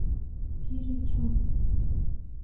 Пире чон!..